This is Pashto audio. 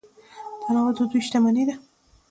تنوع د دوی شتمني ده.